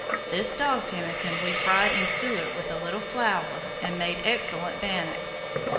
This dog pemmican we fried in suet with a little flour and made excellent bannocks.